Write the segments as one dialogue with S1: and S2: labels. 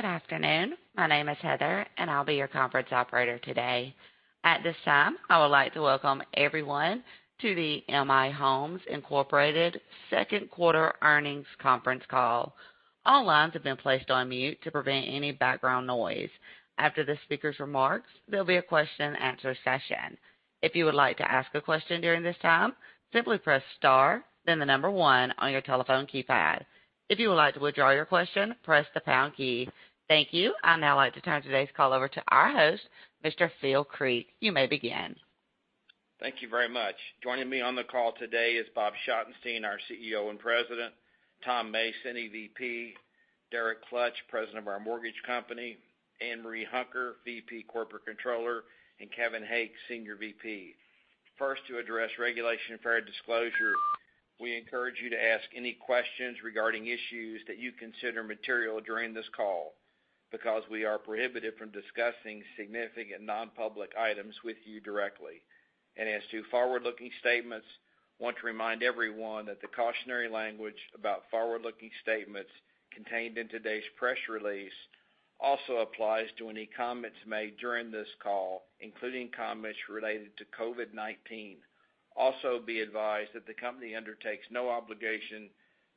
S1: Good afternoon. My name is Heather, and I'll be your conference operator today. At this time, I would like to welcome everyone to the M/I Homes Incorporated second quarter earnings conference call. All lines have been placed on mute to prevent any background noise. After the speaker's remarks, there'll be a question and answer session. If you would like to ask a question during this time, simply press star, then the number 1 on your telephone keypad. If you would like to withdraw your question, press the pound key. Thank you. I'd now like to turn today's call over to our host, Mr. Phil Creek. You may begin.
S2: Thank you very much. Joining me on the call today is Bob Schottenstein, our CEO and President, Tom Mace, Senior VP, Derek Klutch, President of our mortgage company, Ann Marie Hunker, VP Corporate Controller, and Kevin Hake, Senior VP. First, to address regulation and fair disclosure, we encourage you to ask any questions regarding issues that you consider material during this call because we are prohibited from discussing significant non-public items with you directly. As to forward-looking statements, I want to remind everyone that the cautionary language about forward-looking statements contained in today's press release also applies to any comments made during this call, including comments related to COVID-19. Also be advised that the company undertakes no obligation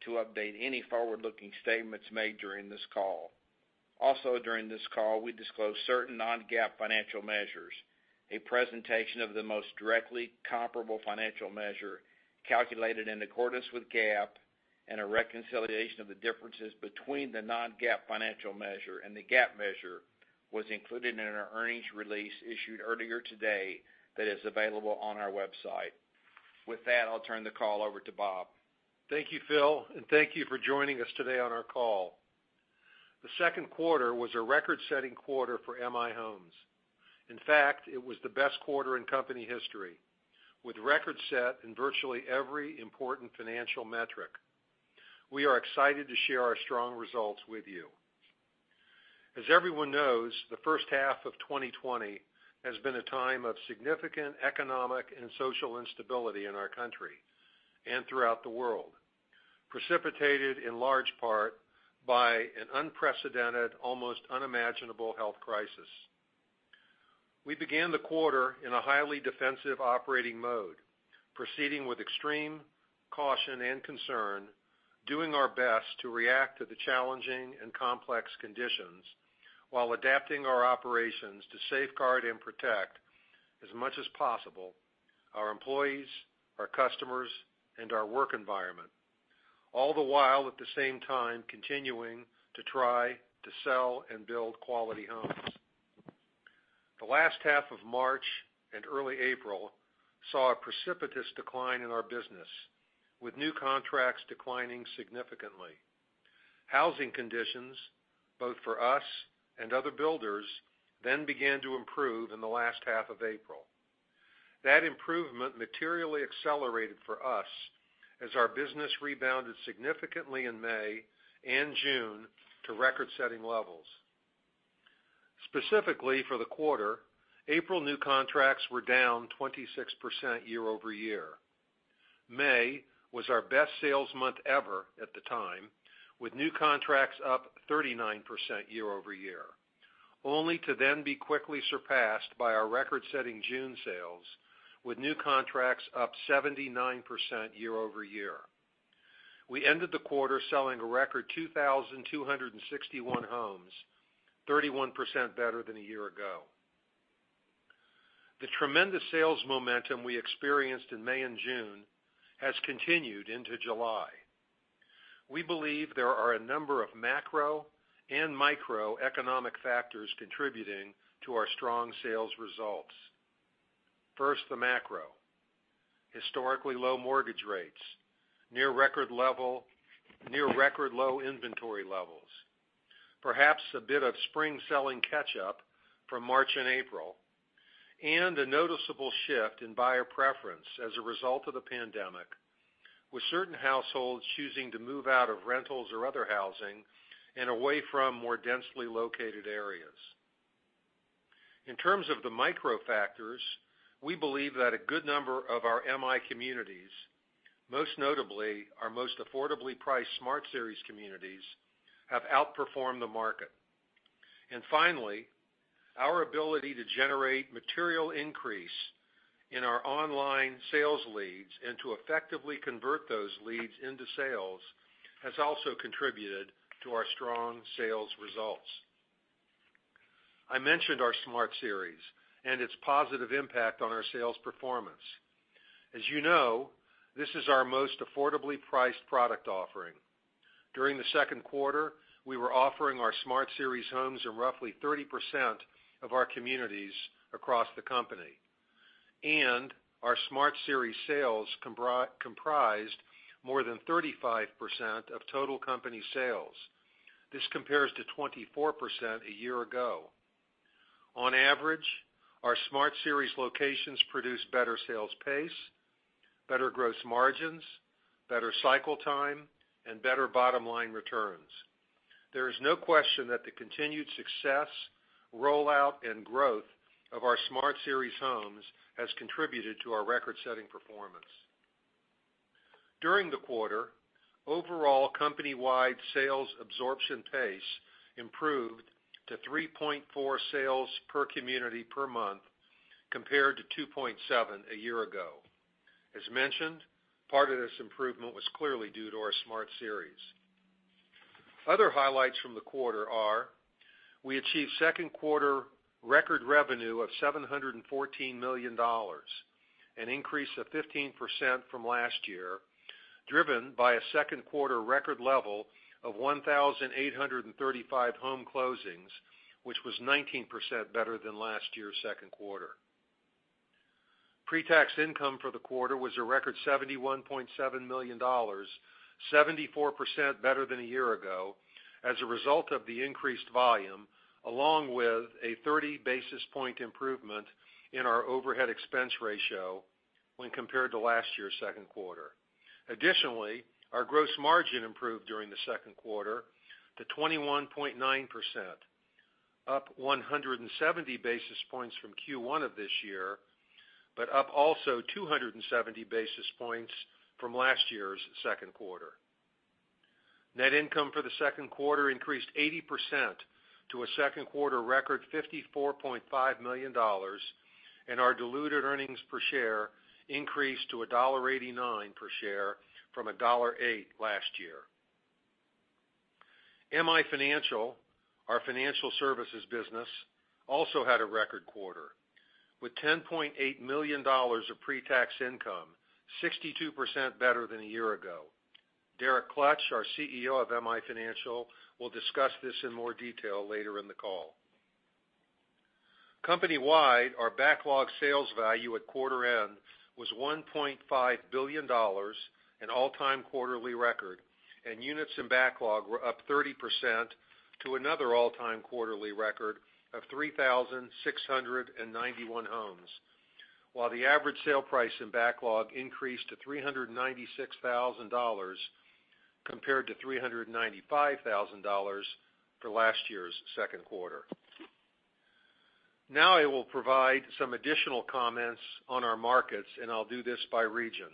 S2: to update any forward-looking statements made during this call. Also during this call, we disclose certain non-GAAP financial measures. A presentation of the most directly comparable financial measure calculated in accordance with GAAP and a reconciliation of the differences between the non-GAAP financial measure and the GAAP measure was included in our earnings release issued earlier today that is available on our website. With that, I'll turn the call over to Bob.
S3: Thank you, Phil, thank you for joining us today on our call. The second quarter was a record-setting quarter for M/I Homes. In fact, it was the best quarter in company history, with records set in virtually every important financial metric. We are excited to share our strong results with you. As everyone knows, the first half of 2020 has been a time of significant economic and social instability in our country and throughout the world, precipitated in large part by an unprecedented, almost unimaginable health crisis. We began the quarter in a highly defensive operating mode, proceeding with extreme caution and concern, doing our best to react to the challenging and complex conditions while adapting our operations to safeguard and protect as much as possible our employees, our customers, and our work environment, all the while at the same time continuing to try to sell and build quality homes. The last half of March and early April saw a precipitous decline in our business, with new contracts declining significantly. Housing conditions, both for us and other builders, began to improve in the last half of April. That improvement materially accelerated for us as our business rebounded significantly in May and June to record-setting levels. Specifically for the quarter, April new contracts were down 26% year-over-year. May was our best sales month ever at the time, with new contracts up 39% year-over-year, only to then be quickly surpassed by our record-setting June sales, with new contracts up 79% year-over-year. We ended the quarter selling a record 2,261 homes, 31% better than a year ago. The tremendous sales momentum we experienced in May and June has continued into July. We believe there are a number of macro and microeconomic factors contributing to our strong sales results. First, the macro. Historically low mortgage rates, near record low inventory levels, perhaps a bit of spring selling catch-up from March and April, and a noticeable shift in buyer preference as a result of the pandemic, with certain households choosing to move out of rentals or other housing and away from more densely located areas. In terms of the micro factors, we believe that a good number of our M/I communities, most notably our most affordably priced Smart Series communities, have outperformed the market. Finally, our ability to generate material increase in our online sales leads and to effectively convert those leads into sales has also contributed to our strong sales results. I mentioned our Smart Series and its positive impact on our sales performance. As you know, this is our most affordably priced product offering. During the second quarter, we were offering our Smart Series homes in roughly 30% of our communities across the company, and our Smart Series sales comprised more than 35% of total company sales. This compares to 24% a year ago. On average, our Smart Series locations produce better sales pace, better gross margins, better cycle time, and better bottom-line returns. There is no question that the continued success, rollout, and growth of our Smart Series homes has contributed to our record-setting performance. During the quarter, overall company-wide sales absorption pace improved to 3.4 sales per community per month, compared to 2.7 a year ago. As mentioned, part of this improvement was clearly due to our Smart Series. Other highlights from the quarter are: we achieved second quarter record revenue of $714 million, an increase of 15% from last year, driven by a second quarter record level of 1,835 home closings, which was 19% better than last year's second quarter. Pre-tax income for the quarter was a record $71.7 million, 74% better than a year ago as a result of the increased volume, along with a 30-basis-point improvement in our overhead expense ratio when compared to last year's second quarter. Additionally, our gross margin improved during the second quarter to 21.9%, up 170 basis points from Q1 of this year, also 270 basis points from last year's second quarter. Net income for the second quarter increased 80% to a second quarter record $54.5 million, and our diluted earnings per share increased to $1.89 per share from $1.08 last year. M/I Financial, our financial services business, also had a record quarter with $10.8 million of pre-tax income, 62% better than a year ago. Derek Klutch, our CEO of M/I Financial, will discuss this in more detail later in the call. Company-wide, our backlog sales value at quarter end was $1.5 billion, an all-time quarterly record, and units in backlog were up 30% to another all-time quarterly record of 3,691 homes, while the average sale price in backlog increased to $396,000, compared to $395,000 for last year's second quarter. I will provide some additional comments on our markets, I'll do this by region.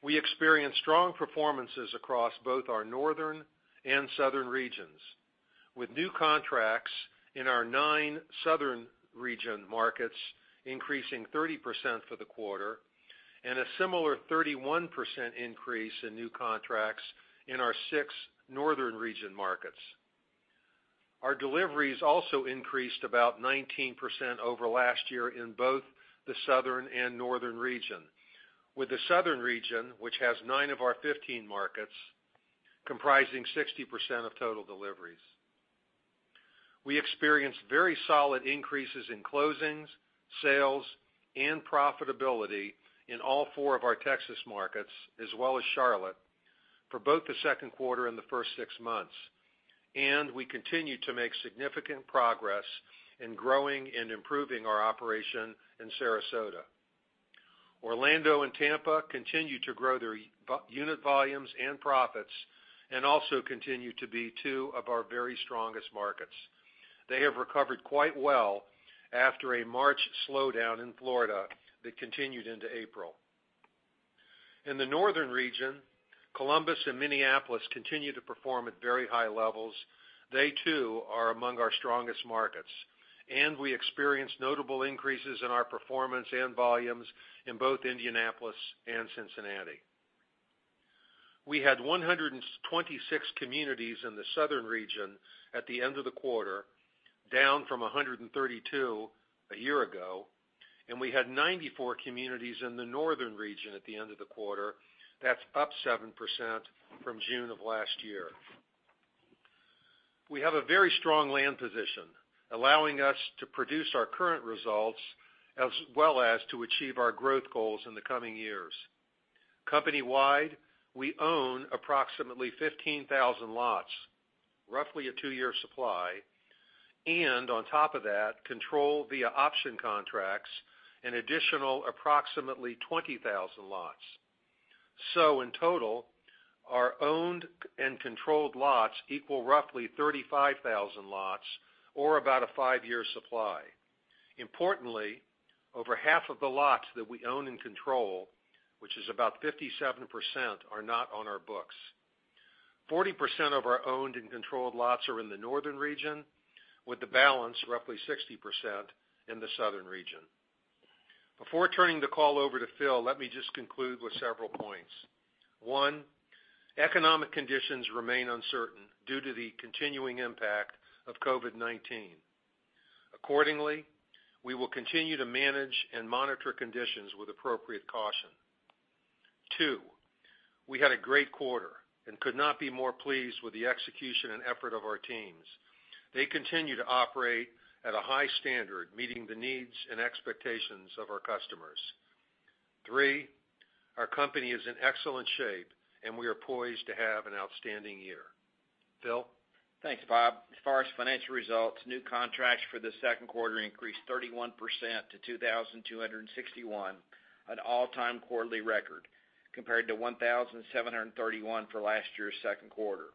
S3: We experienced strong performances across both our northern and southern regions, with new contracts in our nine southern region markets increasing 30% for the quarter, a similar 31% increase in new contracts in our six northern region markets. Our deliveries also increased about 19% over last year in both the southern and northern region, with the southern region, which has 9 of our 15 markets, comprising 60% of total deliveries. We experienced very solid increases in closings, sales, and profitability in all four of our Texas markets, as well as Charlotte, for both the second quarter and the first six months, we continue to make significant progress in growing and improving our operation in Sarasota. Orlando and Tampa continue to grow their unit volumes and profits, also continue to be two of our very strongest markets. They have recovered quite well after a March slowdown in Florida that continued into April. In the northern region, Columbus and Minneapolis continue to perform at very high levels. They too are among our strongest markets, we experienced notable increases in our performance and volumes in both Indianapolis and Cincinnati. We had 126 communities in the southern region at the end of the quarter, down from 132 a year ago, we had 94 communities in the northern region at the end of the quarter. That's up 7% from June of last year. We have a very strong land position, allowing us to produce our current results as well as to achieve our growth goals in the coming years. Company-wide, we own approximately 15,000 lots, roughly a two-year supply, on top of that, control via option contracts an additional approximately 20,000 lots. In total, our owned and controlled lots equal roughly 35,000 lots or about a five-year supply. Importantly, over half of the lots that we own and control, which is about 57%, are not on our books. 40% of our owned and controlled lots are in the northern region, with the balance, roughly 60%, in the southern region. Before turning the call over to Phil, let me just conclude with several points. One, economic conditions remain uncertain due to the continuing impact of COVID-19. Accordingly, we will continue to manage and monitor conditions with appropriate caution. Two, we had a great quarter could not be more pleased with the execution and effort of our teams. They continue to operate at a high standard, meeting the needs and expectations of our customers. Three, our company is in excellent shape, we are poised to have an outstanding year. Phil?
S2: Thanks, Bob. As far as financial results, new contracts for the second quarter increased 31% to 2,261, an all-time quarterly record, compared to 1,731 for last year's second quarter.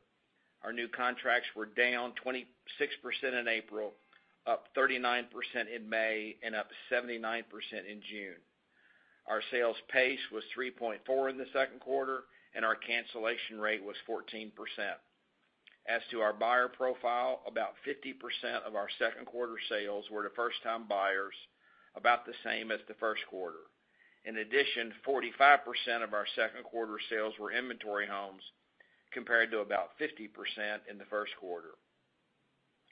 S2: Our new contracts were down 26% in April, up 39% in May, up 79% in June. Our sales pace was 3.4 in the second quarter, our cancellation rate was 14%. As to our buyer profile, about 50% of our second quarter sales were to first-time buyers, about the same as the first quarter. In addition, 45% of our second quarter sales were inventory homes, compared to about 50% in the first quarter.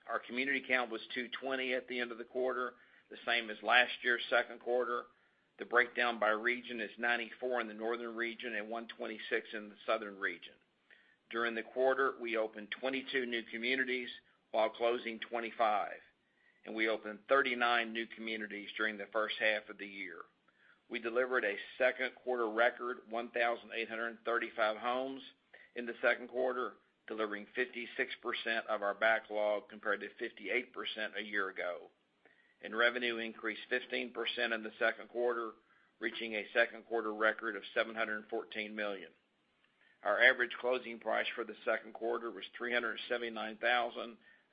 S2: Our community count was 220 at the end of the quarter, the same as last year's second quarter. The breakdown by region is 94 in the northern region and 126 in the southern region. During the quarter, we opened 22 new communities while closing 25, we opened 39 new communities during the first half of the year. We delivered a second quarter record 1,835 homes in the second quarter, delivering 56% of our backlog compared to 58% a year ago. Revenue increased 15% in the second quarter, reaching a second quarter record of $714 million. Our average closing price for the second quarter was $379,000,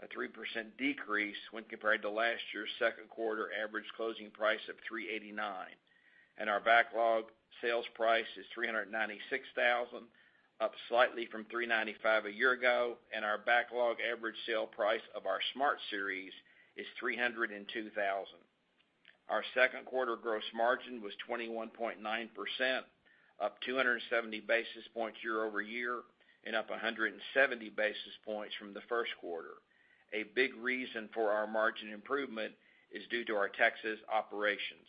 S2: a 3% decrease when compared to last year's second quarter average closing price of $389,000. Our backlog sales price is $396,000, up slightly from $395,000 a year ago, our backlog average sale price of our Smart Series is $302,000. Our second quarter gross margin was 21.9%, up 270 basis points year-over-year, up 170 basis points from the first quarter. A big reason for our margin improvement is due to our Texas operations.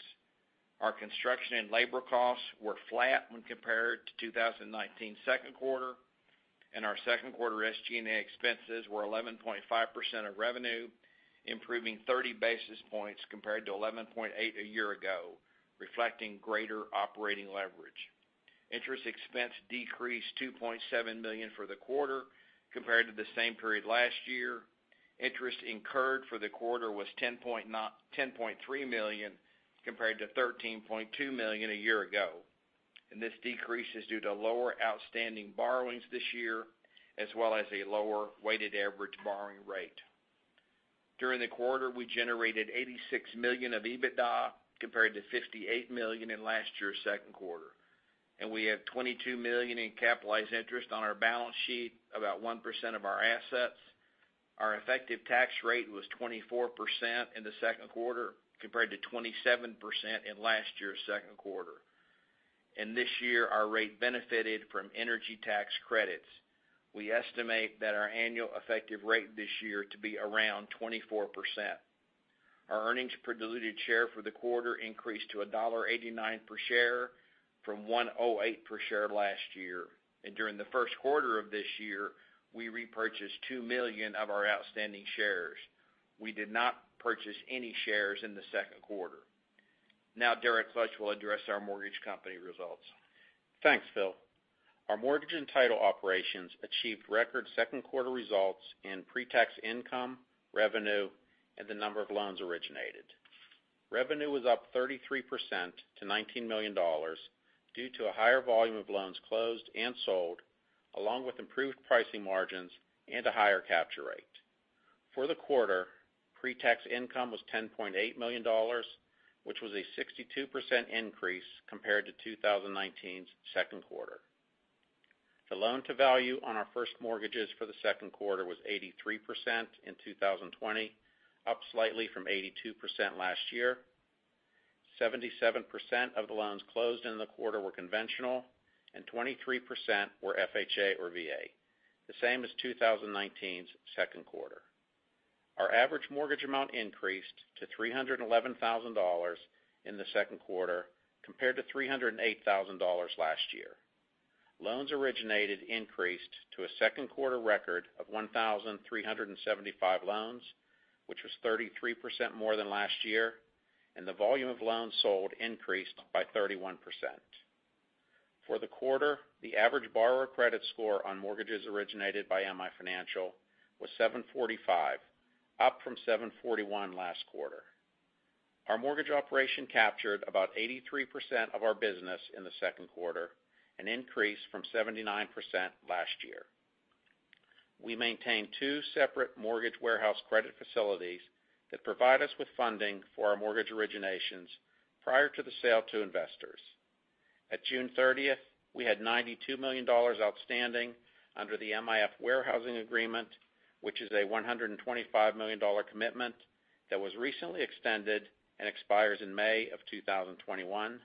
S2: Our construction and labor costs were flat when compared to 2019's second quarter, our second quarter SG&A expenses were 11.5% of revenue, improving 30 basis points compared to 11.8% a year ago, reflecting greater operating leverage. Interest expense decreased $2.7 million for the quarter compared to the same period last year. Interest incurred for the quarter was $10.3 million compared to $13.2 million a year ago. This decrease is due to lower outstanding borrowings this year, as well as a lower weighted average borrowing rate. During the quarter, we generated $86 million of EBITDA compared to $58 million in last year's second quarter, we have $22 million in capitalized interest on our balance sheet, about 1% of our assets. Our effective tax rate was 24% in the second quarter compared to 27% in last year's second quarter. This year, our rate benefited from energy tax credits. We estimate that our annual effective rate this year to be around 24%. Our earnings per diluted share for the quarter increased to $1.89 per share from $1.08 per share last year. During the first quarter of this year, we repurchased $2 million of our outstanding shares. We did not purchase any shares in the second quarter. Derek Klutch will address our mortgage company results.
S4: Thanks, Phil. Our mortgage and title operations achieved record second quarter results in pre-tax income, revenue, and the number of loans originated. Revenue was up 33% to $19 million due to a higher volume of loans closed and sold, along with improved pricing margins and a higher capture rate. For the quarter, pre-tax income was $10.8 million, which was a 62% increase compared to 2019's second quarter. The loan to value on our first mortgages for the second quarter was 83% in 2020, up slightly from 82% last year. 77% of the loans closed in the quarter were conventional, and 23% were FHA or VA, the same as 2019's second quarter. Our average mortgage amount increased to $311,000 in the second quarter compared to $308,000 last year. Loans originated increased to a second quarter record of 1,375 loans, which was 33% more than last year, and the volume of loans sold increased by 31%. For the quarter, the average borrower credit score on mortgages originated by M/I Financial was 745, up from 741 last quarter. Our mortgage operation captured about 83% of our business in the second quarter, an increase from 79% last year. We maintain two separate mortgage warehouse credit facilities that provide us with funding for our mortgage originations prior to the sale to investors. At June 30th, we had $92 million outstanding under the MIF warehousing agreement, which is a $125 million commitment that was recently extended and expires in May of 2021.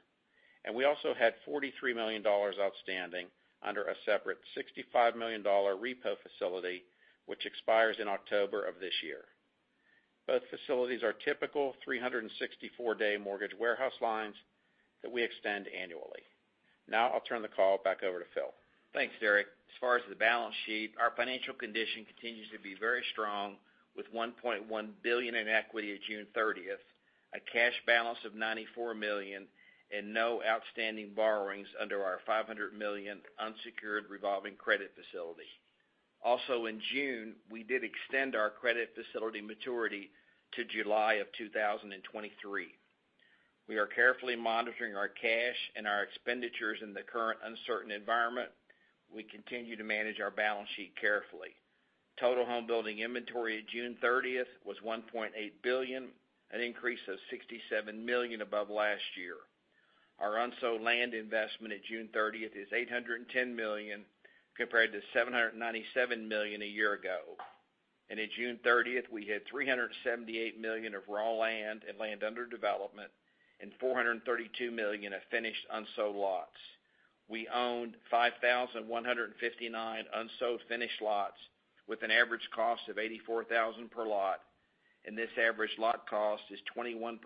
S4: We also had $43 million outstanding under a separate $65 million repo facility, which expires in October of this year. Both facilities are typical 364-day mortgage warehouse lines that we extend annually. Now I'll turn the call back over to Phil.
S2: Thanks, Derek. As far as the balance sheet, our financial condition continues to be very strong with $1.1 billion in equity at June 30th, a cash balance of $94 million, and no outstanding borrowings under our $500 million unsecured revolving credit facility. Also in June, we did extend our credit facility maturity to July 2023. We are carefully monitoring our cash and our expenditures in the current uncertain environment. We continue to manage our balance sheet carefully. Total home building inventory at June 30th was $1.8 billion, an increase of $67 million above last year. Our unsold land investment at June 30th is $810 million, compared to $797 million a year ago. At June 30th, we had $378 million of raw land and land under development and $432 million of finished unsold lots. We owned 5,159 unsold finished lots with an average cost of $84,000 per lot, and this average lot cost is 21%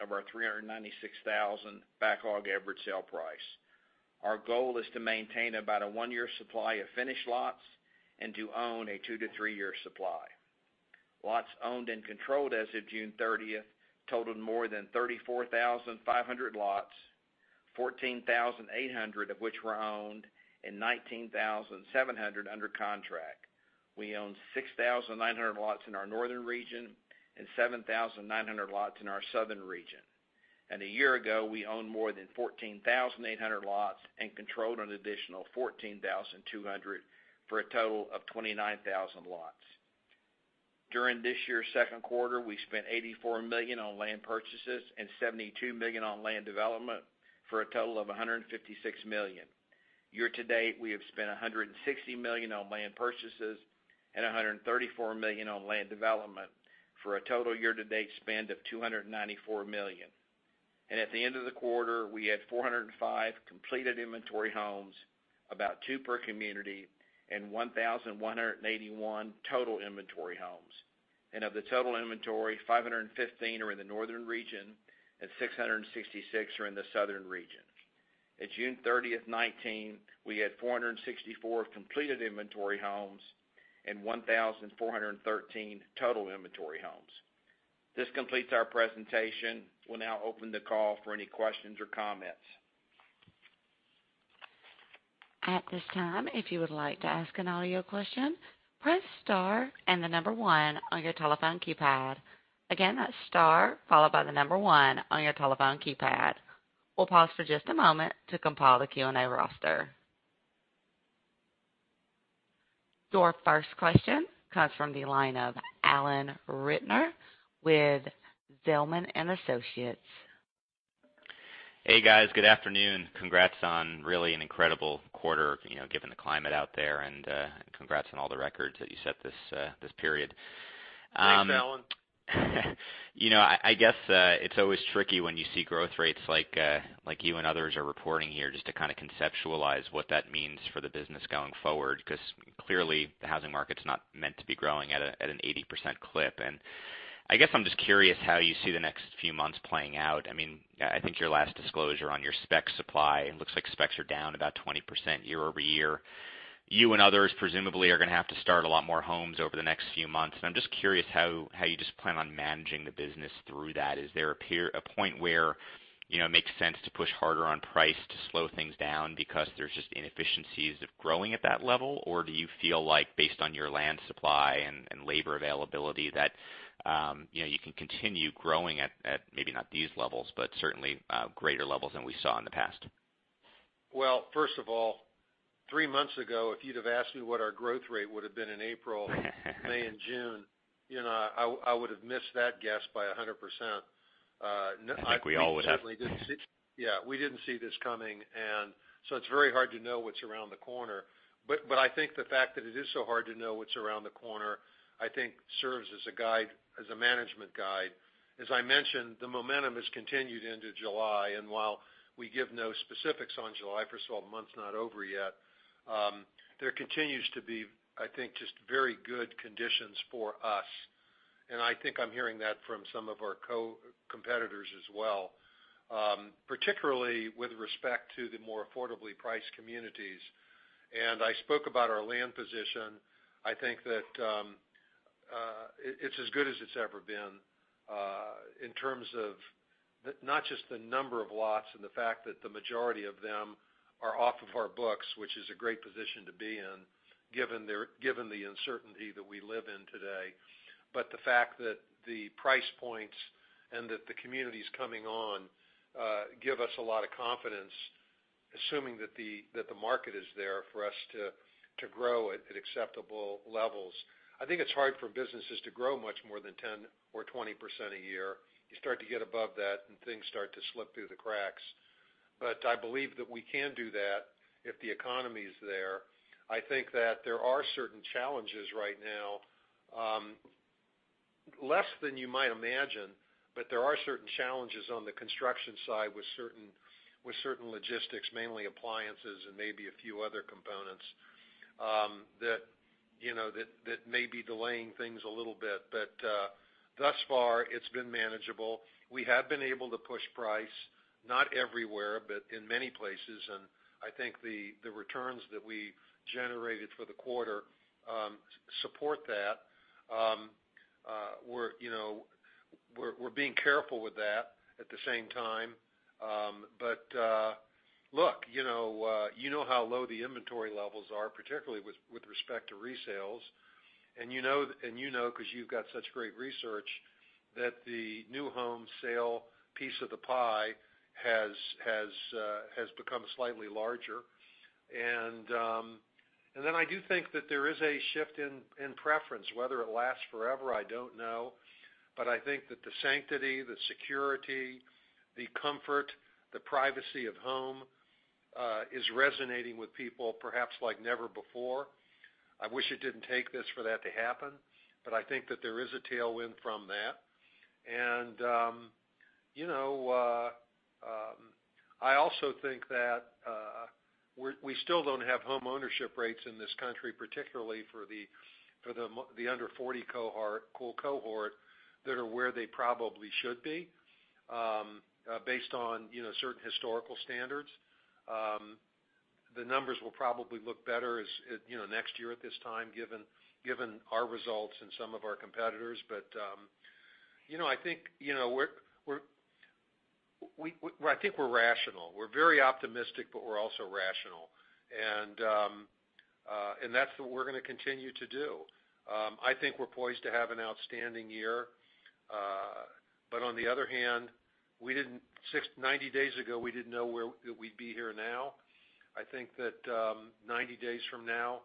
S2: of our $396,000 backlog average sale price. Our goal is to maintain about a one-year supply of finished lots and to own a two- to three-year supply. Lots owned and controlled as of June 30th totaled more than 34,500 lots, 14,800 of which were owned and 19,700 under contract. We own 6,900 lots in our northern region and 7,900 lots in our southern region. A year ago, we owned more than 14,800 lots and controlled an additional 14,200 for a total of 29,000 lots. During this year's second quarter, we spent $84 million on land purchases and $72 million on land development for a total of $156 million. Year-to-date, we have spent $160 million on land purchases and $134 million on land development for a total year-to-date spend of $294 million. At the end of the quarter, we had 405 completed inventory homes, about two per community, and 1,181 total inventory homes. Of the total inventory, 515 are in the northern region and 666 are in the southern region. At June 30th, 2019, we had 464 completed inventory homes and 1,413 total inventory homes. This completes our presentation. We'll now open the call for any questions or comments.
S1: At this time, if you would like to ask an audio question, press star and the number one on your telephone keypad. Again, that's star followed by the number one on your telephone keypad. We'll pause for just a moment to compile the Q&A roster. Your first question comes from the line of Alan Ratner with Zelman & Associates.
S5: Hey, guys. Good afternoon. Congrats on really an incredible quarter, given the climate out there, and congrats on all the records that you set this period.
S2: Thanks, Alan.
S5: I guess, it's always tricky when you see growth rates like you and others are reporting here, just to kind of conceptualize what that means for the business going forward, because clearly, the housing market's not meant to be growing at an 80% clip. I guess I'm just curious how you see the next few months playing out. I think your last disclosure on your spec supply, it looks like specs are down about 20% year-over-year. You and others presumably are going to have to start a lot more homes over the next few months, I'm just curious how you just plan on managing the business through that. Is there a point where it makes sense to push harder on price to slow things down because there's just inefficiencies of growing at that level? Do you feel like, based on your land supply and labor availability, that you can continue growing at maybe not these levels, but certainly greater levels than we saw in the past?
S2: Well, first of all, three months ago, if you'd have asked me what our growth rate would've been in April- May and June, I would've missed that guess by 100%.
S5: I think we all would have.
S2: Yeah. We didn't see this coming, so it's very hard to know what's around the corner. I think the fact that it is so hard to know what's around the corner, I think serves as a management guide. As I mentioned, the momentum has continued into July, while we give no specifics on July, first of all, the month's not over yet, there continues to be, I think, just very good conditions for us, and I think I'm hearing that from some of our co-competitors as well, particularly with respect to the more affordably priced communities. I spoke about our land position. I think that it's as good as it's ever been, in terms of not just the number of lots and the fact that the majority of them are off of our books, which is a great position to be in given the uncertainty that we live in today. The fact that the price points and that the communities coming on give us a lot of confidence, assuming that the market is there for us to grow at acceptable levels. I think it's hard for businesses to grow much more than 10% or 20% a year. You start to get above that, and things start to slip through the cracks. I believe that we can do that if the economy's there. I think that there are certain challenges right now, less than you might imagine, but there are certain challenges on the construction side with certain logistics, mainly appliances and maybe a few other components, that may be delaying things a little bit. Thus far, it's been manageable. We have been able to push price, not everywhere, in many places, and I think the returns that we generated for the quarter support that. We're being careful with that at the same time
S3: You know how low the inventory levels are, particularly with respect to resales. You know, because you've got such great research, that the new home sale piece of the pie has become slightly larger. I do think that there is a shift in preference. Whether it lasts forever, I don't know, I think that the sanctity, the security, the comfort, the privacy of home, is resonating with people perhaps like never before. I wish it didn't take this for that to happen, I think that there is a tailwind from that. I also think that we still don't have home ownership rates in this country, particularly for the under 40 cohort, that are where they probably should be based on certain historical standards. The numbers will probably look better next year at this time, given our results and some of our competitors. I think we're rational. We're very optimistic, we're also rational. That's what we're going to continue to do. I think we're poised to have an outstanding year. On the other hand, 90 days ago, we didn't know we'd be here now. I think that 90 days from now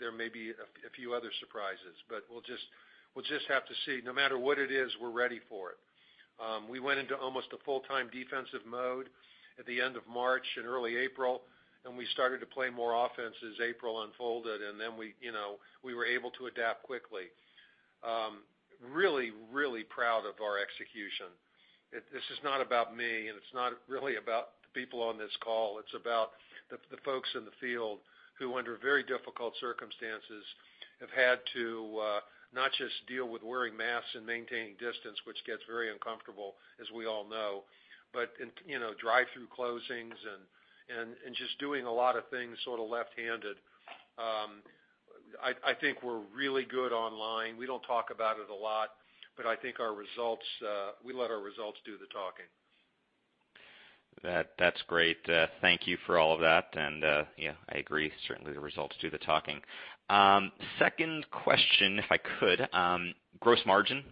S3: there may be a few other surprises, we'll just have to see. No matter what it is, we're ready for it. We went into almost a full-time defensive mode at the end of March early April, We started to play more offense as April unfolded, then we were able to adapt quickly. Really proud of our execution. This is not about me, and it's not really about the people on this call. It's about the folks in the field who, under very difficult circumstances, have had to not just deal with wearing masks and maintaining distance, which gets very uncomfortable, as we all know, drive-through closings and just doing a lot of things sort of left-handed. I think we're really good online. We don't talk about it a lot, I think we let our results do the talking.
S5: That's great. Thank you for all of that. Yeah, I agree. Certainly, the results do the talking. Second question, if I could. Gross margin,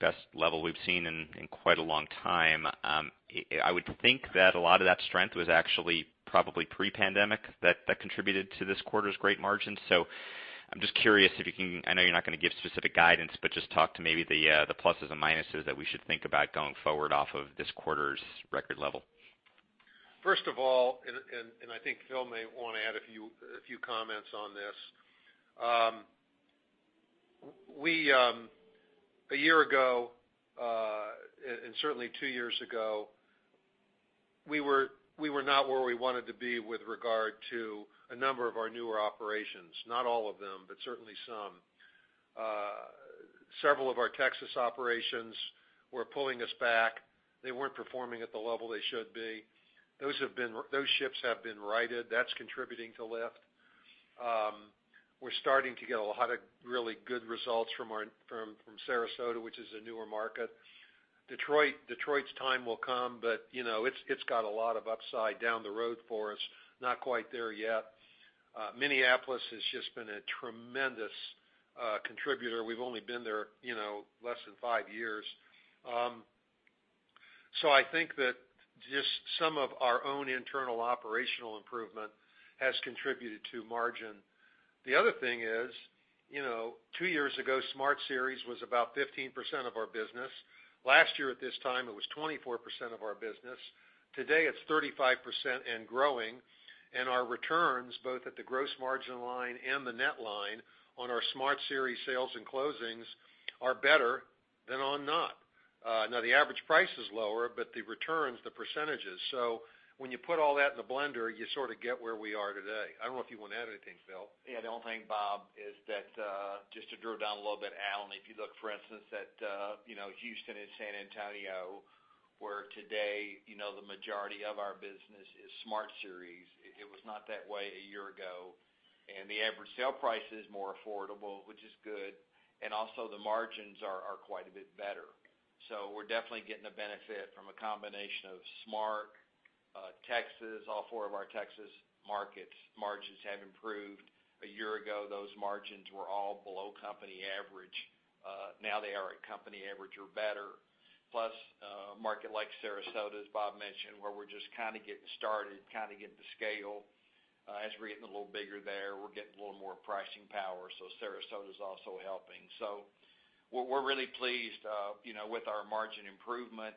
S5: best level we've seen in quite a long time. I would think that a lot of that strength was actually probably pre-pandemic that contributed to this quarter's great margin. I'm just curious if you can, I know you're not going to give specific guidance, but just talk to maybe the pluses and minuses that we should think about going forward off of this quarter's record level.
S3: First of all, I think Phil may want to add a few comments on this. A year ago, certainly two years ago, we were not where we wanted to be with regard to a number of our newer operations. Not all of them, but certainly some. Several of our Texas operations were pulling us back. They weren't performing at the level they should be. Those ships have been righted. That's contributing to lift. We're starting to get a lot of really good results from Sarasota, which is a newer market. Detroit's time will come, but it's got a lot of upside down the road for us. Not quite there yet. Minneapolis has just been a tremendous contributor. We've only been there less than five years. I think that just some of our own internal operational improvement has contributed to margin. The other thing is, two years ago, Smart Series was about 15% of our business. Last year at this time, it was 24% of our business. Today, it's 35% and growing. Our returns, both at the gross margin line and the net line on our Smart Series sales and closings are better than on not. The average price is lower, but the returns, the percentages. When you put all that in the blender, you sort of get where we are today. I don't know if you want to add anything, Phil.
S2: The only thing, Bob, is that, just to drill down a little bit, Alan, if you look, for instance, at Houston and San Antonio, where today the majority of our business is Smart Series. It was not that way a year ago. The average sale price is more affordable, which is good. Also the margins are quite a bit better. We're definitely getting a benefit from a combination of Smart Series, Texas, all four of our Texas markets. Margins have improved. A year ago, those margins were all below company average. Now they are at company average or better. A market like Sarasota, as Bob mentioned, where we're just kind of getting started, kind of getting to scale. As we're getting a little bigger there, we're getting a little more pricing power. Sarasota's also helping. We're really pleased with our margin improvement.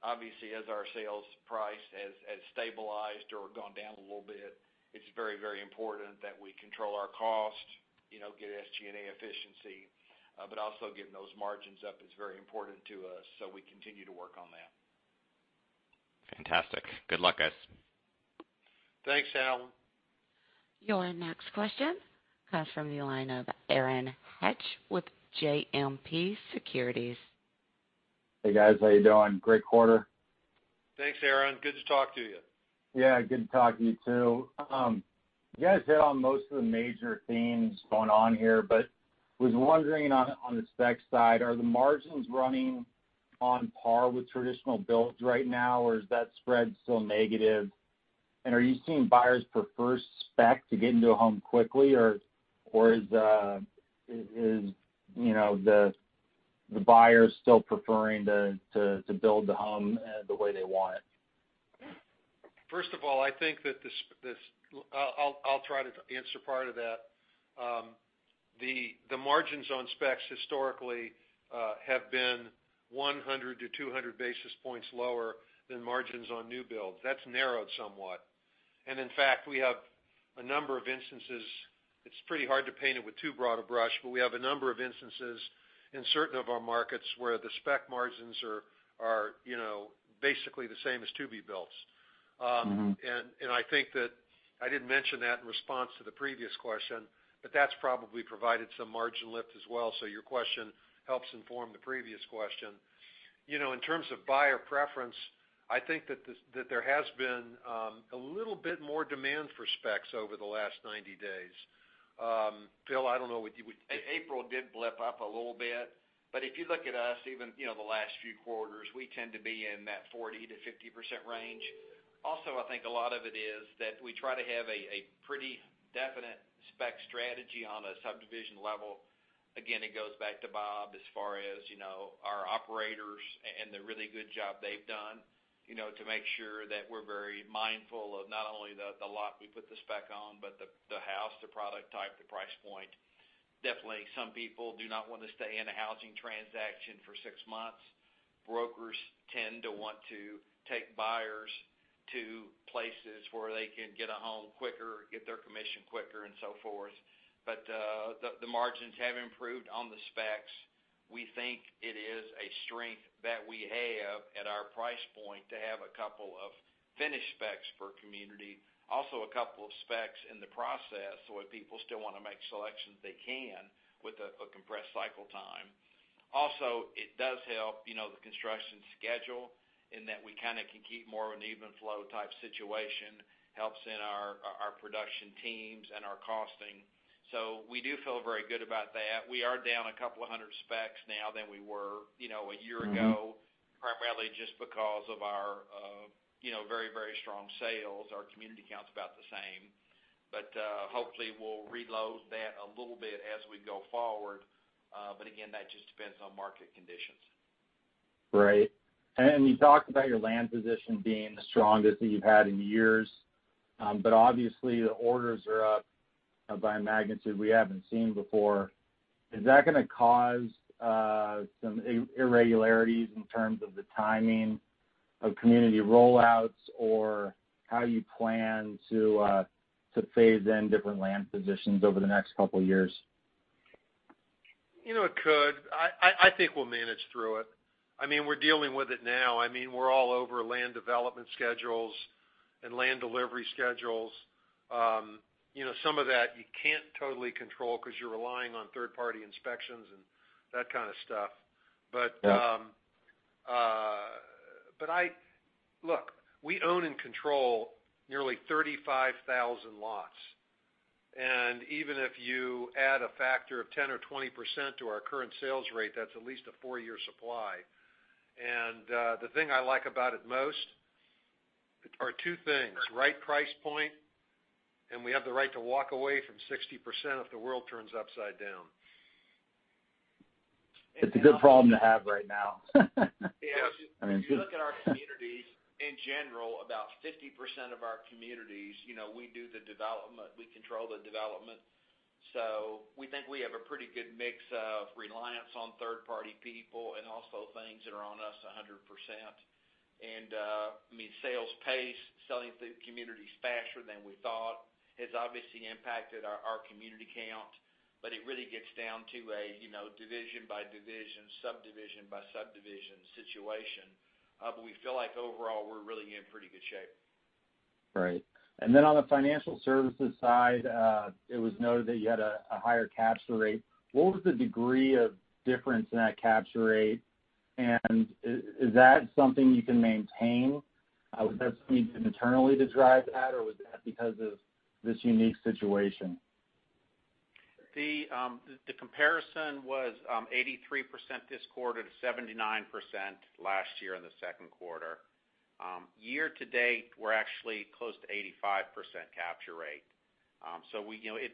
S2: As our sales price has stabilized or gone down a little bit, it's very, very important that we control our cost, get SG&A efficiency, but also getting those margins up is very important to us. We continue to work on that.
S5: Fantastic. Good luck, guys.
S3: Thanks, Alan.
S1: Your next question comes from the line of Aaron Hecht with JMP Securities.
S6: Hey, guys. How you doing? Great quarter.
S3: Thanks, Aaron. Good to talk to you.
S6: Yeah, good to talk to you too. You guys hit on most of the major themes going on here, but was wondering on the specs side, are the margins running on par with traditional builds right now, or is that spread still negative? Are you seeing buyers prefer spec to get into a home quickly, or is the buyers still preferring to build the home the way they want it?
S3: First of all, I'll try to answer part of that. The margins on specs historically have been 100 to 200 basis points lower than margins on new builds. That's narrowed somewhat. In fact, we have a number of instances, it's pretty hard to paint it with too broad a brush, but we have a number of instances in certain of our markets where the spec margins are basically the same as to-be builds. I think that I didn't mention that in response to the previous question, but that's probably provided some margin lift as well, so your question helps inform the previous question. In terms of buyer preference, I think that there has been a little bit more demand for specs over the last 90 days. Phil, I don't know what you would.
S2: April did blip up a little bit. If you look at us, even the last few quarters, we tend to be in that 40%-50% range. I think a lot of it is that we try to have a pretty definite spec strategy on a subdivision level. Again, it goes back to Bob as far as our operators and the really good job they've done, to make sure that we're very mindful of not only the lot we put the spec on, but the house, the product type, the price point. Definitely, some people do not want to stay in a housing transaction for six months. Brokers tend to want to take buyers to places where they can get a home quicker, get their commission quicker, and so forth. The margins have improved on the specs. We think it is a strength that we have at our price point to have a couple of finished specs per community. A couple of specs in the process, so if people still want to make selections, they can, with a compressed cycle time. It does help the construction schedule in that we kind of can keep more of an even flow type situation, helps in our production teams and our costing. We do feel very good about that. We are down a couple of 100 specs now than we were a year ago. primarily just because of our very strong sales. Our community count's about the same. Hopefully we'll reload that a little bit as we go forward. Again, that just depends on market conditions.
S6: Right. You talked about your land position being the strongest that you've had in years. Obviously, the orders are up by a magnitude we haven't seen before. Is that going to cause some irregularities in terms of the timing of community roll-outs, or how you plan to phase in different land positions over the next couple of years?
S3: It could. I think we'll manage through it. We're dealing with it now. We're all over land development schedules and land delivery schedules. Some of that you can't totally control because you're relying on third-party inspections and that kind of stuff.
S6: Yeah.
S3: Look, we own and control nearly 35,000 lots. Even if you add a factor of 10 or 20% to our current sales rate, that's at least a four-year supply. The thing I like about it most are two things: right price point, and we have the right to walk away from 60% if the world turns upside down.
S6: It's a good problem to have right now.
S2: If you look at our communities, in general, about 50% of our communities, we do the development, we control the development. We think we have a pretty good mix of reliance on third-party people and also things that are on us 100%. Sales pace, selling the communities faster than we thought, has obviously impacted our community count, but it really gets down to a division-by-division, subdivision-by-subdivision situation. We feel like overall we're really in pretty good shape.
S6: Right. Then on the financial services side, it was noted that you had a higher capture rate. What was the degree of difference in that capture rate, and is that something you can maintain? Was that something internally to drive that, or was that because of this unique situation?
S2: The comparison was 83% this quarter to 79% last year in the second quarter. Year to date, we're actually close to 85% capture rate.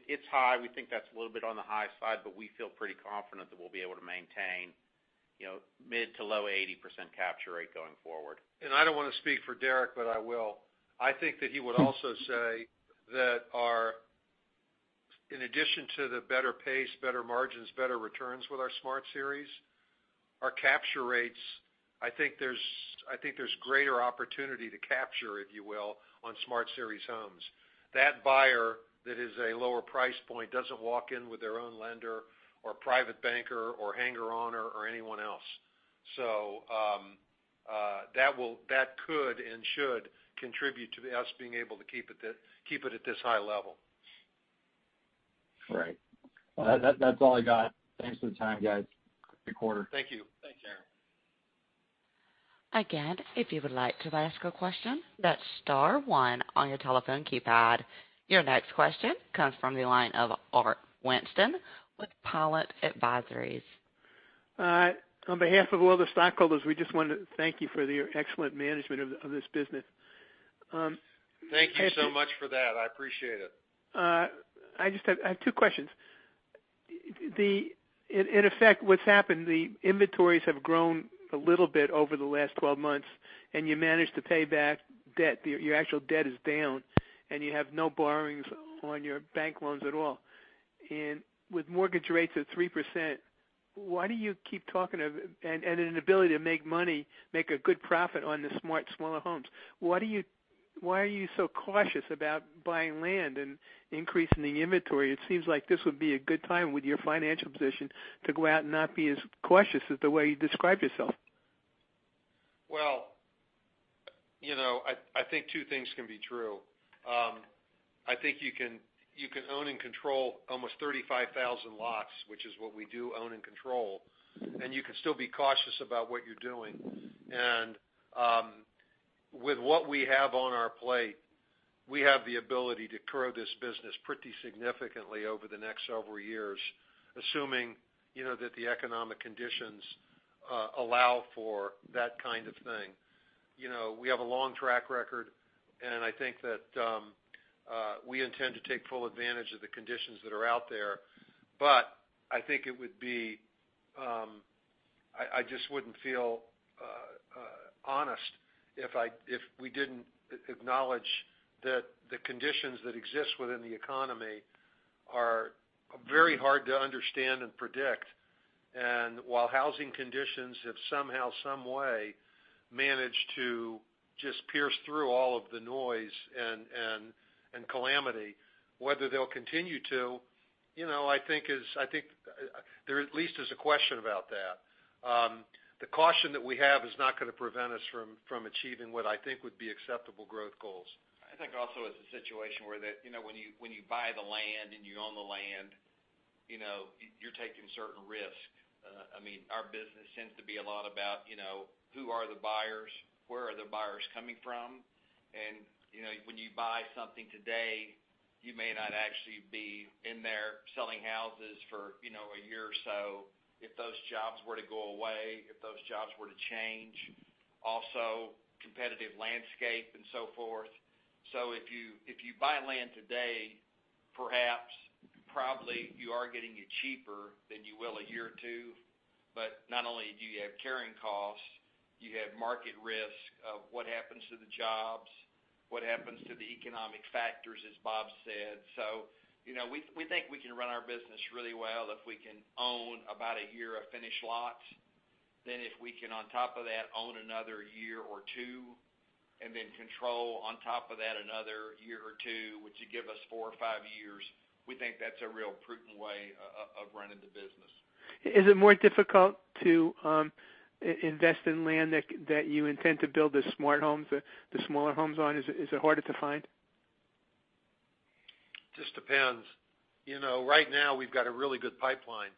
S2: It's high. We think that's a little bit on the high side, but we feel pretty confident that we'll be able to maintain mid to low 80% capture rate going forward.
S3: I don't want to speak for Derek, but I will. I think that he would also say that in addition to the better pace, better margins, better returns with our Smart Series, our capture rates, I think there's greater opportunity to capture, if you will, on Smart Series homes. That buyer that is a lower price point doesn't walk in with their own lender or private banker or hanger-oner or anyone else. That could and should contribute to us being able to keep it at this high level.
S6: Right. That's all I got. Thanks for the time, guys. Good quarter.
S3: Thank you.
S2: Thanks, Aaron.
S1: If you would like to ask a question, that's star one on your telephone keypad. Your next question comes from the line of Art Winston with Pilot Advisors.
S7: All right. On behalf of all the stockholders, we just wanted to thank you for your excellent management of this business.
S3: Thank you so much for that. I appreciate it.
S7: I have two questions. In effect, what's happened, the inventories have grown a little bit over the last 12 months, and you managed to pay back debt. Your actual debt is down, and you have no borrowings on your bank loans at all. With mortgage rates at 3%, why do you keep talking of and an ability to make money, make a good profit on the Smart smaller homes? Why are you so cautious about buying land and increasing the inventory? It seems like this would be a good time with your financial position to go out and not be as cautious as the way you describe yourself.
S3: I think two things can be true. I think you can own and control almost 35,000 lots, which is what we do own and control, and you can still be cautious about what you're doing. With what we have on our plate, we have the ability to grow this business pretty significantly over the next several years, assuming that the economic conditions allow for that kind of thing. We have a long track record, and I think that we intend to take full advantage of the conditions that are out there. I just wouldn't feel honest if we didn't acknowledge that the conditions that exist within the economy are very hard to understand and predict. While housing conditions have somehow, some way, managed to just pierce through all of the noise and calamity, whether they'll continue to, I think there at least is a question about that. The caution that we have is not going to prevent us from achieving what I think would be acceptable growth goals.
S2: I think also it's a situation where that when you buy the land and you own the land, you're taking certain risks. Our business tends to be a lot about who are the buyers, where are the buyers coming from? When you buy something today, you may not actually be in there selling houses for a year or so if those jobs were to go away, if those jobs were to change. Also, competitive landscape and so forth. If you buy land today, perhaps, probably you are getting it cheaper than you will a year or two. Not only do you have carrying costs, you have market risk of what happens to the jobs, what happens to the economic factors, as Bob said. We think we can run our business really well if we can own about a year of finished lots. If we can on top of that own another year or two, control on top of that another year or two, which would give us four or five years. We think that's a real prudent way of running the business.
S7: Is it more difficult to invest in land that you intend to build the smart homes, the smaller homes on? Is it harder to find?
S3: Just depends. Right now, we've got a really good pipeline.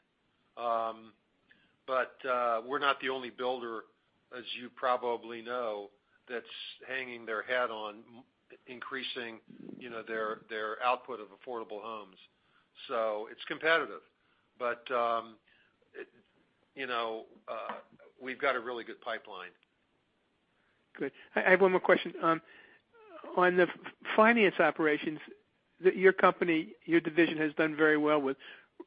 S3: We're not the only builder, as you probably know, that's hanging their hat on increasing their output of affordable homes. It's competitive. We've got a really good pipeline.
S7: Good. I have one more question. On the finance operations that your company, your division has done very well with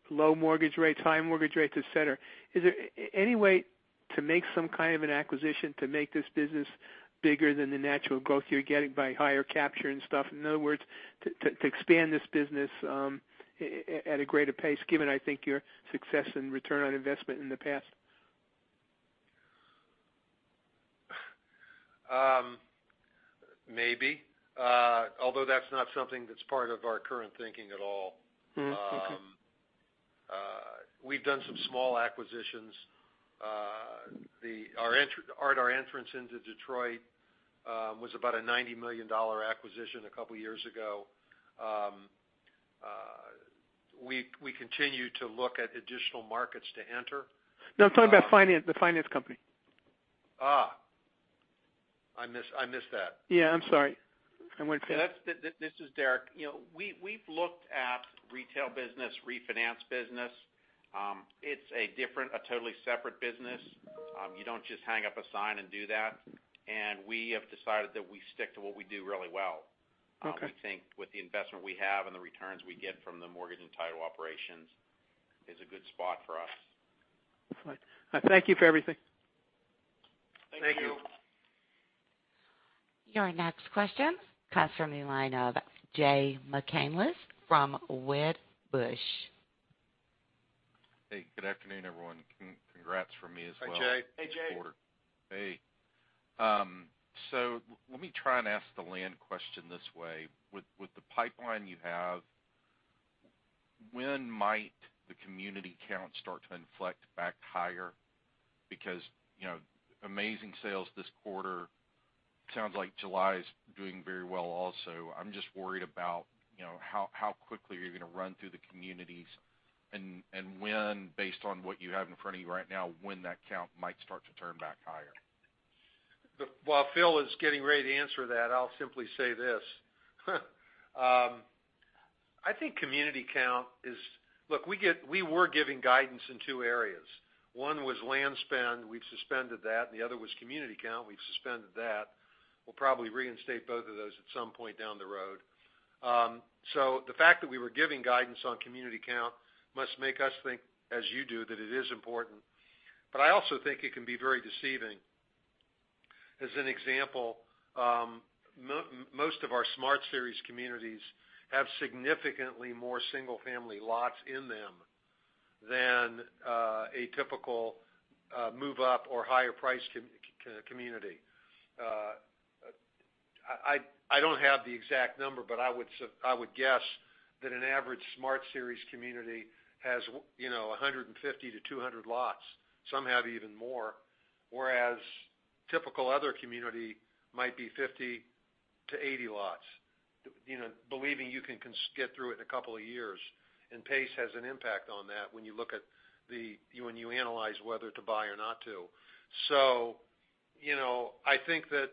S7: low mortgage rates, high mortgage rates, et cetera. Is there any way to make some kind of an acquisition to make this business bigger than the natural growth you're getting by higher capture and stuff? In other words, to expand this business at a greater pace, given, I think, your success and return on investment in the past.
S3: Maybe. Although that's not something that's part of our current thinking at all.
S7: Okay.
S3: We've done some small acquisitions. Our entrance into Detroit was about a $90 million acquisition a couple of years ago. We continue to look at additional markets to enter.
S7: No, I'm talking about the finance company.
S3: I missed that.
S7: Yeah, I'm sorry. I went past.
S4: This is Derek. We've looked at retail business, refinance business. It's a different, a totally separate business. You don't just hang up a sign and do that. We have decided that we stick to what we do really well.
S7: Okay.
S4: We think with the investment we have and the returns we get from the mortgage and title operations is a good spot for us.
S7: Right. Thank you for everything.
S3: Thank you.
S4: Thank you.
S1: Your next question comes from the line of Jay McCanless from Wedbush.
S8: Hey, good afternoon, everyone. Congrats from me as well.
S3: Hi, Jay.
S4: Hey, Jay.
S8: Hey. Let me try and ask the land question this way. With the pipeline you have, when might the community count start to inflect back higher? Because amazing sales this quarter. Sounds like July is doing very well also. I'm just worried about how quickly you're going to run through the communities, and when, based on what you have in front of you right now, when that count might start to turn back higher.
S3: While Phil is getting ready to answer that, I'll simply say this. I think community count is. Look, we were giving guidance in two areas. One was land spend, we've suspended that. The other was community count, we've suspended that. We'll probably reinstate both of those at some point down the road. The fact that we were giving guidance on community count must make us think, as you do, that it is important. I also think it can be very deceiving. As an example, most of our Smart Series communities have significantly more single-family lots in them than a typical move-up or higher price community. I don't have the exact number, but I would guess that an average Smart Series community has 150 to 200 lots, some have even more. Whereas typical other community might be 50 to 80 lots, believing you can get through it in a couple of years. Pace has an impact on that when you analyze whether to buy or not to. I think that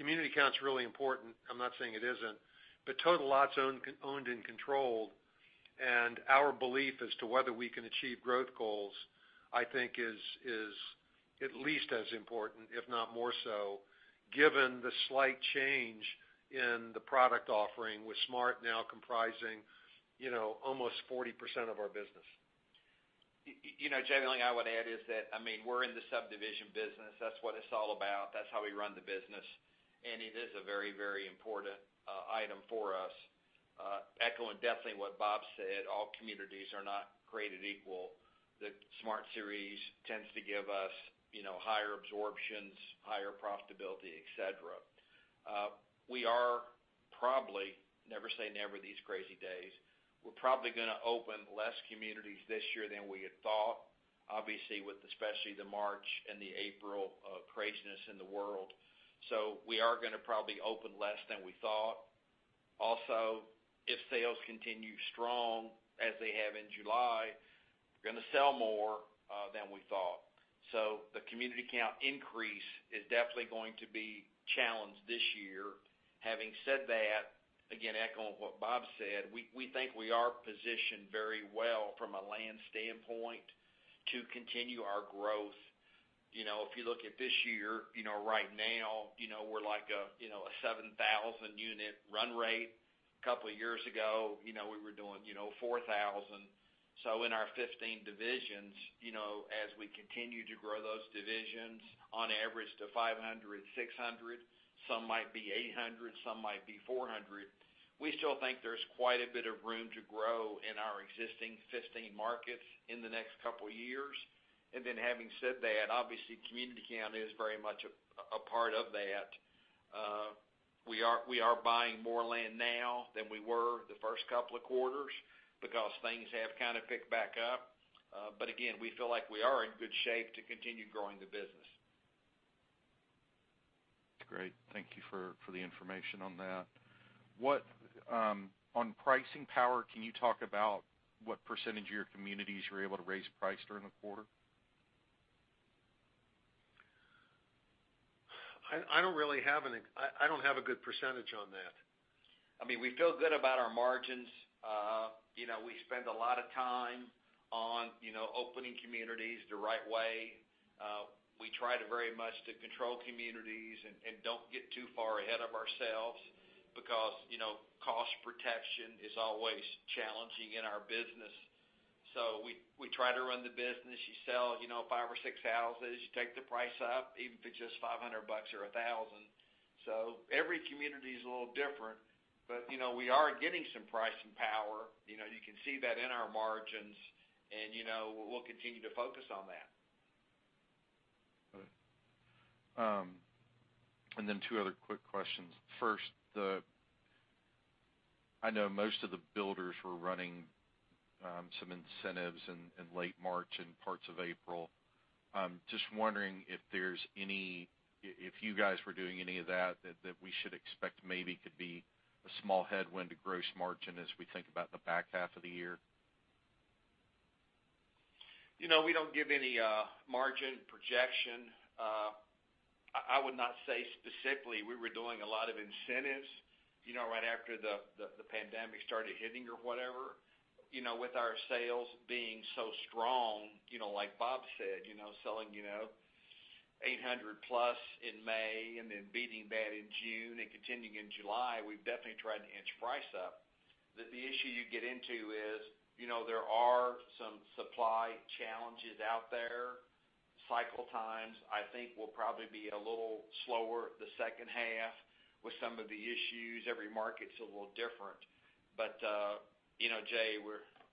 S3: community count's really important. I'm not saying it isn't. Total lots owned and controlled, and our belief as to whether we can achieve growth goals, I think, is at least as important, if not more so, given the slight change in the product offering, with Smart now comprising almost 40% of our business.
S2: Jay, the only thing I would add is that we're in the subdivision business. That's what it's all about. That's how we run the business. It is a very important item for us. Echoing definitely what Bob said, all communities are not created equal. The Smart Series tends to give us higher absorptions, higher profitability, et cetera. We are probably, never say never these crazy days, we're probably going to open less communities this year than we had thought, obviously, with especially the March and the April craziness in the world. We are going to probably open less than we thought. If sales continue strong, as they have in July, we're going to sell more than we thought. The community count increase is definitely going to be challenged this year. Having said that, again, echoing what Bob said, we think we are positioned very well from a land standpoint to continue our growth. If you look at this year, right now, we're like a 7,000 unit run rate. Couple of years ago, we were doing 4,000. In our 15 divisions, as we continue to grow those divisions on average to 500, 600, some might be 800, some might be 400. We still think there's quite a bit of room to grow in our existing 15 markets in the next couple of years. Having said that, obviously, community count is very much a part of that. We are buying more land now than we were the first couple of quarters because things have kind of picked back up. Again, we feel like we are in good shape to continue growing the business.
S8: Great. Thank you for the information on that. On pricing power, can you talk about what % of your communities you were able to raise price during the quarter?
S3: I don't have a good % on that.
S2: We feel good about our margins. We spend a lot of time on opening communities the right way. We try to very much to control communities and don't get too far ahead of ourselves because cost protection is always challenging in our business. We try to run the business. You sell five or six houses, you take the price up, even if it's just $500 or $1,000. Every community's a little different, but we are getting some pricing power. You can see that in our margins, and we'll continue to focus on that.
S8: Got it. Two other quick questions. First, I know most of the builders were running some incentives in late March and parts of April. Just wondering if you guys were doing any of that we should expect maybe could be a small headwind to gross margin as we think about the back half of the year?
S2: We don't give any margin projection. I would not say specifically we were doing a lot of incentives right after the pandemic started hitting or whatever. With our sales being so strong, like Bob said, selling 800+ in May beating that in June and continuing in July, we've definitely tried to inch price up. The issue you get into is, there are some supply challenges out there. Cycle times, I think, will probably be a little slower the second half with some of the issues. Every market's a little different. Jay,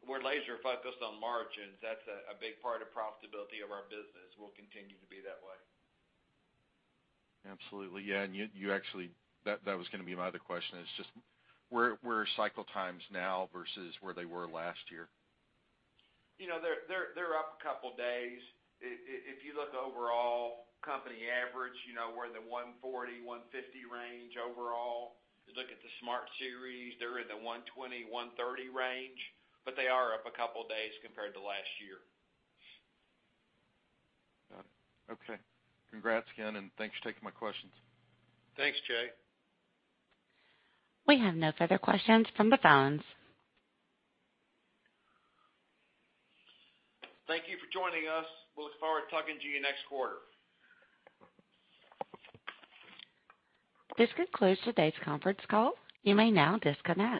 S2: we're laser focused on margins. That's a big part of profitability of our business. We'll continue to be that way.
S8: Absolutely. Yeah. That was going to be my other question, is just where are cycle times now versus where they were last year?
S2: They're up a couple days. If you look overall company average, we're in the 140, 150 range overall. You look at the Smart Series, they're in the 120, 130 range, but they are up a couple of days compared to last year.
S8: Got it. Okay. Congrats again, and thanks for taking my questions.
S3: Thanks, Jay.
S1: We have no further questions from the phones.
S3: Thank you for joining us. We look forward to talking to you next quarter.
S1: This concludes today's conference call. You may now disconnect.